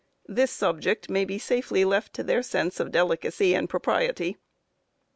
This subject may be safely left to their sense of delicacy and propriety.